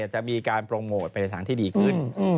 จะมีการโปรโมทไปในทางที่ดีขึ้น